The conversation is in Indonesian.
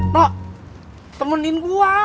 pak temenin gua